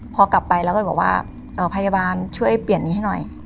พอกลับไปเราก็เลยบอกว่าพยาบาลช่วยเปลี่ยนนี้ให้หน่อย